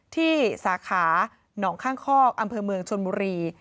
สาขาหนองข้างคอกอำเภอเมืองชนบุรี